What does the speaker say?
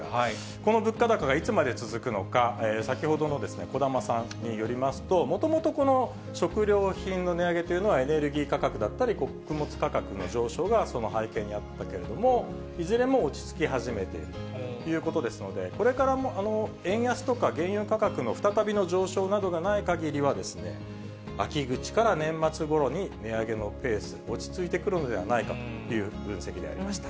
この物価高がいつまで続くのか、先ほどの小玉さんによりますと、もともとこの食料品の値上げというのは、エネルギー価格だったり、穀物価格の上昇がその背景にあったけれども、いずれも落ち着き始めているということですので、これから円安とか原油価格の再びの上昇などがないかぎりは、秋口から年末ごろに値上げのペース、落ち着いてくるのではないかという分析でありました。